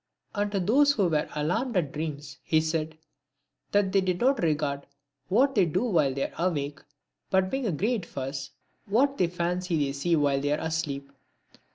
And to those who were alarmed at dreams he said, that they did not regard what they do while they are awake, but make a great fuss about what they fancy they see while they are asleep.